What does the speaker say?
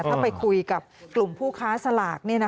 ถ้าไปคุยกับกลุ่มผู้ค้าสลาก